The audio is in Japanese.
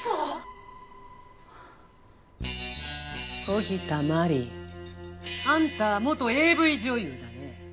小喜多真理あんた元ＡＶ女優だね。